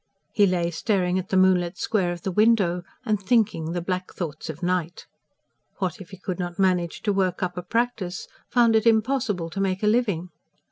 He lay staring at the moonlit square of the window, and thinking the black thoughts of night. What if he could not manage to work up a practice? ... found it impossible to make a living?